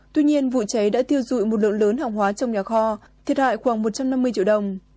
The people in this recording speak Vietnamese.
tuy nhiên vụ cháy đã thiêu dụi một lượng lớn hàng hóa trong nhà kho thiệt hại khoảng một trăm năm mươi triệu đồng